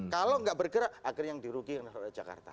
kalau nggak bergerak akhirnya yang dirugi yang darurat jakarta